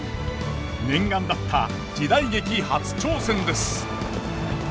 念願だった時代劇初挑戦です。